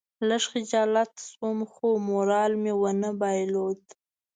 لږ خجالت شوم خو مورال مې ونه بایلود.